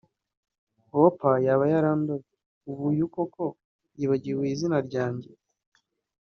Wolper yaba yarandoze; ubu uyu koko yibagiwe izina rya njye